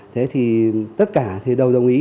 thế thì tất cả thì đều đồng ý